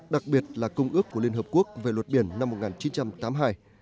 đặc biệt là công ước của liên hợp quốc về luật biển năm một nghìn chín trăm tám mươi hai